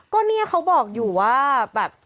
ก็เนี่ยเขาบอกอยู่ว่าแบบ